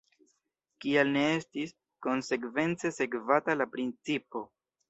Kial ne estis konsekvence sekvata la principo?